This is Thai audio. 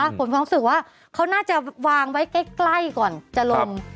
ผมมีความรู้สึกว่าเขาน่าจะวางไว้ใกล้ก่อนจะลง